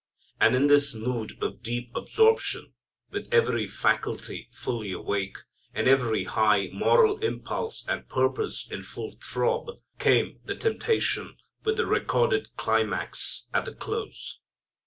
And in this mood of deep absorption, with every faculty fully awake and every high moral impulse and purpose in full throb, came the temptation with the recorded climax at the close.